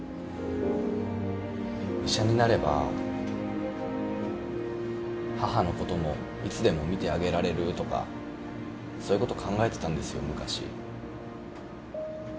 医者になれば母のこともいつでも診てあげられるとかそういうこと考えてたんですよ昔。